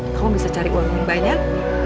kamu bisa cari uang yang banyak